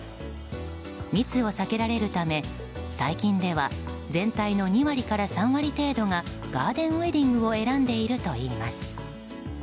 密を避けられるため、最近では全体の２割から３割程度がガーデンウェディングを選んでいるといいます。